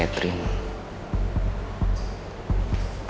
saya udah lamar ketrin